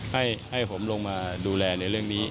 ให้ผมลงมาดูแลในเรื่องนี้